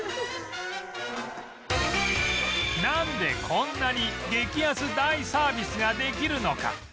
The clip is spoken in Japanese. なんでこんなに激安大サービスができるのか？